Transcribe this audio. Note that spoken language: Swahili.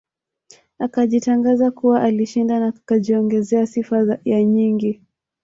Akajitangaza kuwa alishinda na kujiongezea sifa ya nyingi